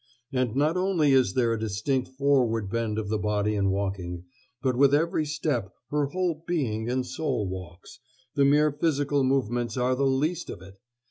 And not only is there a distinct forward bend of the body in walking, but with every step her whole being and soul walks the mere physical movements are the least of it!